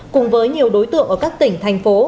cùng với nhiều đối tượng ở các tỉnh thành phố